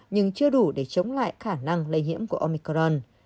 nhưng chưa đủ để chống lại khả năng lây nhiễm của omicron